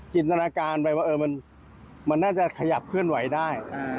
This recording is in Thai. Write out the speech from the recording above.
จินตนาการไปว่ามันน่าจะขยับเคลื่อนไหวได้